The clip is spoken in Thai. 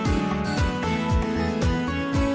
โอเคค่ะ